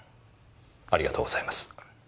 ありがとうございます。